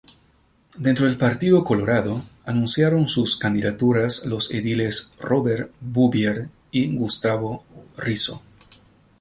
Dentro del Partido Colorado, anunciaron sus candidaturas los ediles Robert Bouvier y Gustavo Risso.